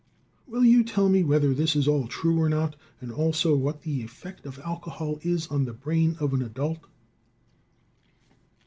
Will you tell me whether this is all true or not, and also what the effect of alcohol is on the brain of an adult?"